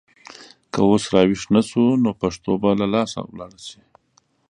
که اوس راویښ نه شو نو پښتو به له لاسه لاړه شي.